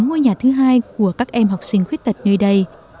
ngôi nhà thứ hai của các em học sinh khuyết tật nơi đây